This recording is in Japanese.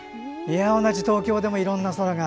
同じ東京でもいろいろな空が。